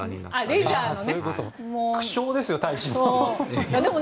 苦笑ですよ、大使も。